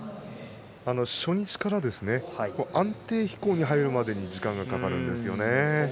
初日から安定飛行に入るまでに時間がかかるんですよね。